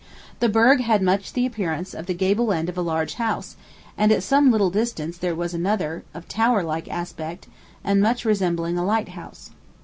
The berg had much the appearance of the gable end of a large house, and at some little distance there was another, of tower like aspect, and much resembling a light house.